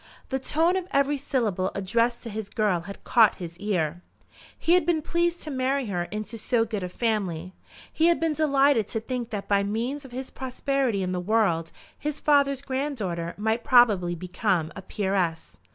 The tone of every syllable addressed to his girl had caught his ear. He had been pleased to marry her into so good a family. He had been delighted to think that by means of his prosperity in the world his father's grand daughter might probably become a peeress.